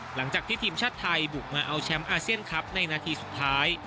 หลังจากที่ทีมชาติไทยบุกมาเอาแชมป์อาเซียนคลับในนาทีสุดท้าย